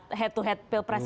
sayang kita ketemu kembali